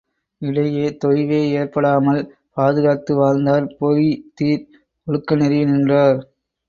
இடையே தொய்வே ஏற்படாமல் பாதுகாத்து வாழ்ந்தார் பொய்தீர் ஒழுக்கநெறி நின்றார்.